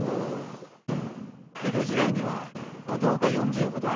江戸時代にはお堂が４０ほどありました。